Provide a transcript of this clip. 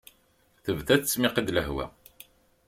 Tebda tettmiqi-d lehwa.